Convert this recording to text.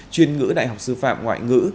chuyên ngữ đại học sư phạm ngoại ngữ